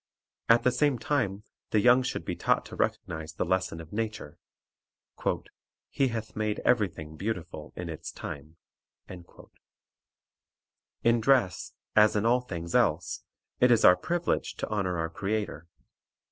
At the same time the young should be taught to recognize the lesson of nature, "He hath made every thing beautiful in its time." 1 In dress, as in all things else, it is our privilege to honor our Creator.